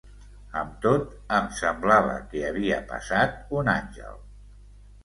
Amb tot, em semblava que havia passat un àngel.